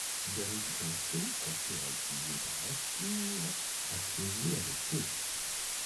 Brichanteau, quoique récusé par la Cour, a siégé avec eux.